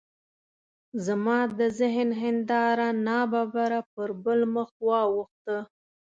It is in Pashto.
زما د ذهن هنداره ناببره پر بل مخ واوښته.